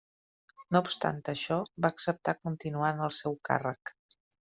No obstant això, va acceptar continuar en el seu càrrec.